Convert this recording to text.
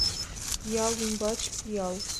Пиал ӱмбач — пиал!